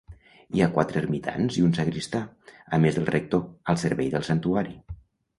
Hi ha quatre ermitans i un sagristà, a més del rector, al servei del santuari.